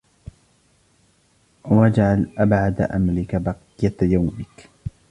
وَاجْعَلْ أَبْعَدَ أَمْلِكَ بَقِيَّةَ يَوْمِك